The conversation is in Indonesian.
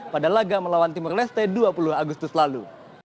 pada laga melawan timur leste dua puluh agustus lalu